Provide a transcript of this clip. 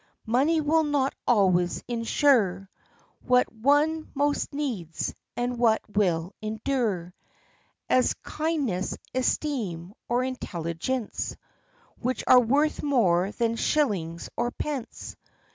Money will not always insure What one most needs, and what will endure, As kindness, esteem, or intelligence, Which are worth more than shillings or pence.